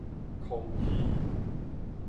康熙